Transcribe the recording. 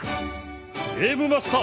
ゲームマスター！